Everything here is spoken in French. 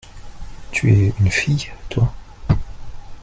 Tu es une fille-toi ?